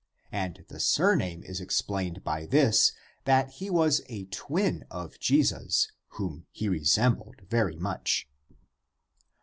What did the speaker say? I, 13, 11), and the surname is explained by this that he was a twin of Jesus vi^hom he resembled very much (c.